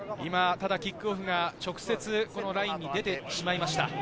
キックオフが直接ラインに出てしまいました。